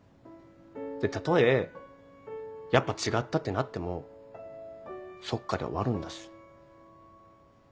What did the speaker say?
でたとえ「やっぱ違った」ってなっても「そっか」で終わるんだし。